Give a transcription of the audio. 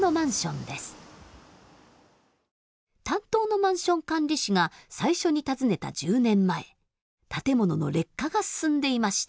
担当のマンション管理士が最初に訪ねた１０年前建物の劣化が進んでいました。